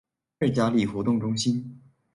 二甲里活動中心